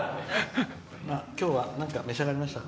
今日は何か召し上がりましたか？